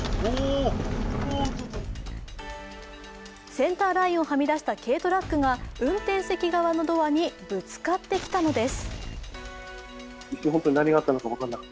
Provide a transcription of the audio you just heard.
センターラインをはみ出した軽トラックが運転席側のドアにぶつかってきたのです。